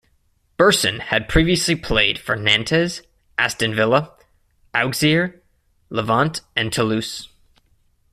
Berson had previously played for Nantes, Aston Villa, Auxerre, Levante and Toulouse.